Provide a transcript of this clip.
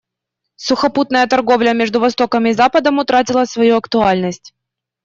Сухопутная торговля между Востоком и Западом утратила свою актуальность.